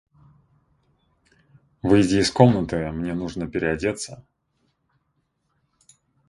Выйди из комнаты! Мне нужно переодеться.